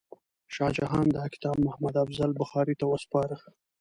شاه جهان دا کتاب محمد افضل بخاري ته وسپاره.